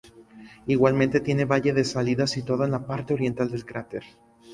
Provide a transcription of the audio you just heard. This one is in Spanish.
Igualmente tiene valle de salida situado en la parte oriental del cráter.